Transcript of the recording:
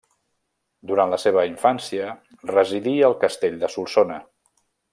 Durant la seva infància residí al castell de Solsona.